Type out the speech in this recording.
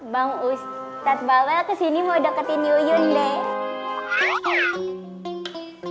bang ustadz bawel kesini mau deketin yuyun deh